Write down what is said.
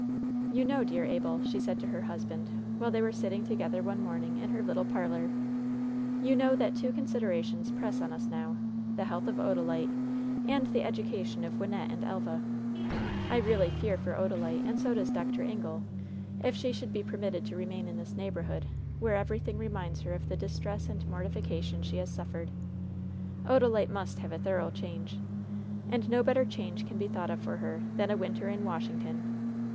"You know, dear Abel," she said to her husband, while they were sitting together one morning in her little parlor, "you know that two considerations press on us now — ^the health of Odalite and the education of Wyn nette and Elva. I really fear for Odalite, and so does Dr. Ingle, if she should be permitted to remain in this neighborhood, where everything reminds her of the dis tress and mortification she has suffered. Odalite must have a thorough change. And no better change can be thought of for her than a winter in Washington.